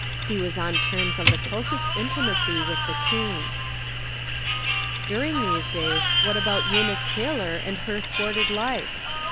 Pie was on terms of the closest intimacy with the King. During these days, what about Eunice Taylor and her thwarted life